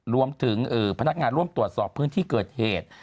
รวมถึงพนักงานร่วมตรวจสอบพื้นที่เกิดเหตุ